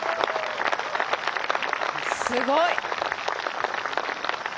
すごい！